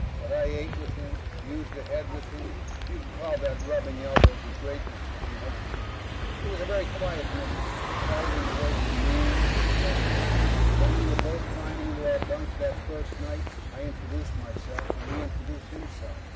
But I ate with him, used the head with him; you can call that rubbing elbows with greatness, if you want to. He was a very quiet man. Quiet in the way he moved and talked. When we were both climbing into our bunks, that first night, I introduced myself and he introduced himself.